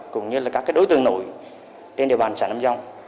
cũng như các đối tượng nội trên địa bàn xã nam dông